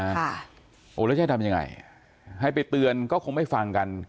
ค่ะโอ้แล้วจะทำยังไงให้ไปเตือนก็คงไม่ฟังกัน